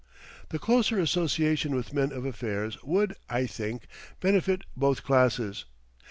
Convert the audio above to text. The closer association with men of affairs would, I think, benefit both classes.